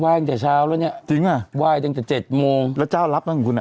ตั้งแต่เช้าแล้วเนี่ยจริงอ่ะไหว้ตั้งแต่เจ็ดโมงแล้วเจ้ารับบ้างของคุณอ่ะ